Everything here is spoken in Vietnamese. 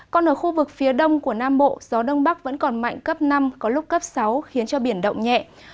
còn ở khu vực phía đông của nam bộ gió đông bắc vẫn còn mạnh cấp năm có lúc cấp sáu khiến cho biển động nhẹ